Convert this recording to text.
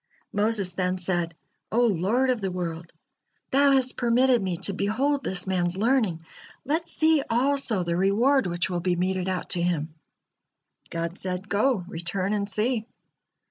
Moses then said: "O Lord of the world! Thou has permitted me to behold this man's learning, let see also the reward which will be meted out to him." God said: "Go, return and see."